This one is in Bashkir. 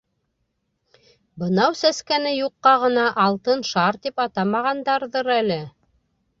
Бынау сәскәне юҡҡа ғына «алтын шар» тип атамағандарҙыр әле».